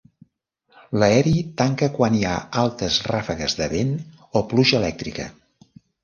L'Aeri tanca quan hi ha altes ràfegues de vent o pluja elèctrica.